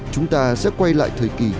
chúng ta sẽ quay lại thời kỳ bốn